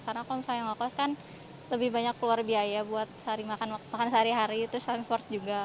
karena kalau misalnya ngokos kan lebih banyak keluar biaya buat makan sehari hari terus transport juga